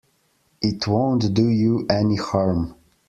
It won't do you any harm.